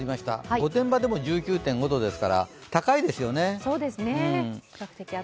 御殿場でも１９．５度ですから高いですよね。